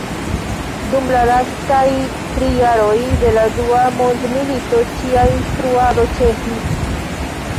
Dum la lastaj tri jaroj de la Dua mondmilito ĉia instruado ĉesis.